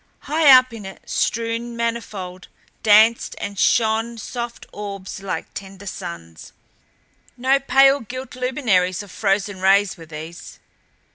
High up in it, strewn manifold, danced and shone soft orbs like tender suns. No pale gilt luminaries of frozen rays were these.